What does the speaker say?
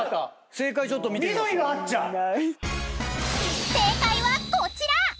［正解はこちら！］